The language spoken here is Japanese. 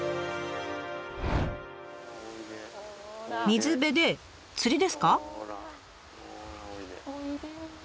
水辺で釣りですか？